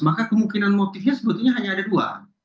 maka kemungkinan motifnya sebetulnya hanya ada dua